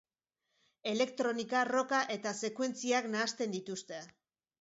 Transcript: Elektronika, rocka eta sekuentziak nahasten dituzte.